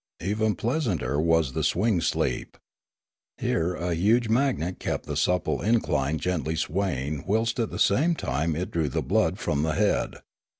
Even pleas anter was the swing sleep; here a huge magnet kept the supple incline gently swaying whilst at the same time it drew the blood from the head.